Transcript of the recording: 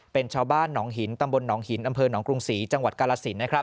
เป็นชาวบ้านตำบลหนองหินอำเภอหนองกรุงศรีจังหวัดการสิน